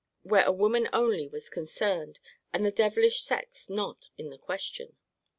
where a woman only was concerned, and the devilish sex not in the question.